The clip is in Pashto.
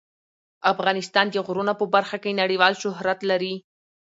افغانستان د غرونه په برخه کې نړیوال شهرت لري.